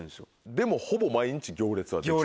でもほぼ毎日行列はできてる？